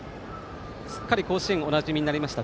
すっかり甲子園がおなじみになりました